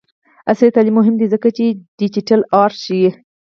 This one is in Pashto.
عصري تعلیم مهم دی ځکه چې د ډیجیټل آرټ ښيي.